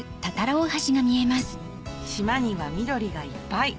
島には緑がいっぱい